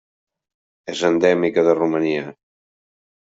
És endèmica de Romania.